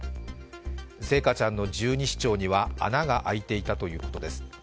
星華ちゃんの十二指腸には穴が空いていたということです。